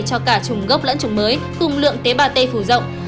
cả chủng gốc lẫn chủng mới cùng lượng tế bà tê phủ rộng